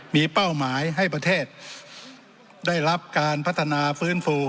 มีเป้าหมายให้ประเทศได้รับการพัฒนาฟื้นฟู